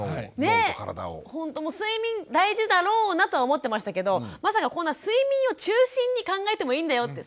ほんと睡眠大事だろうなとは思ってましたけどまさかこんな睡眠を中心に考えてもいいんだよって。